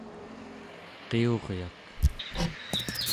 qiuryak